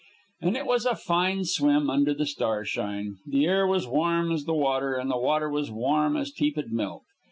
And it was a fine swim under the starshine. The air was warm as the water, and the water as warm as tepid milk.